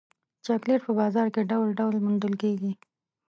چاکلېټ په بازار کې ډول ډول موندل کېږي.